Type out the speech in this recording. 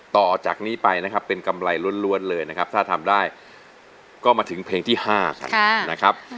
ต่อจากนี้ไปนะครับเป็นกำไรล้วนเลยนะครับถ้าทำได้ก็มาถึงเพลงที่๕กันนะครับ